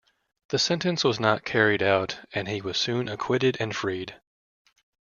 The sentence was not carried out, and he was soon acquitted and freed.